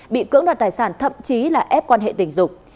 bị cưỡng đoạt tài sản thậm chí là ép quan hệ tình dục